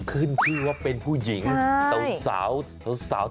ขึ้นชื่อว่าเป็นผู้หญิงสาวที่ชอบตุ๊กตา